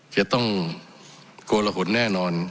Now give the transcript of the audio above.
จะต้องกลโหลหลแน่นอน